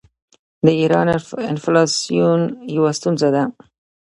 د ایران انفلاسیون یوه ستونزه ده.